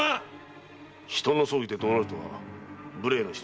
人の葬儀で怒鳴るとは無礼な人だな。